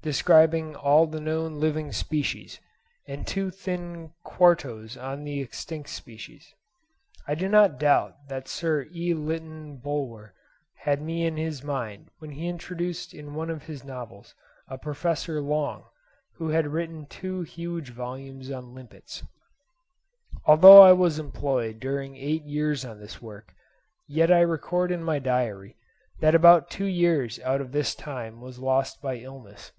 describing all the known living species, and two thin quartos on the extinct species. I do not doubt that Sir E. Lytton Bulwer had me in his mind when he introduced in one of his novels a Professor Long, who had written two huge volumes on limpets. Although I was employed during eight years on this work, yet I record in my diary that about two years out of this time was lost by illness.